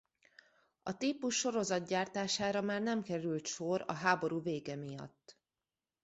A típus sorozatgyártására már nem került sor a háború vége miatt.